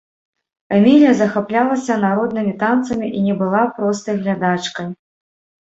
Эмілія захаплялася народнымі танцамі і не была простай глядачкай.